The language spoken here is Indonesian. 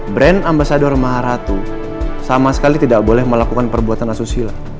brand ambasador maharatu sama sekali tidak boleh melakukan perbuatan asusila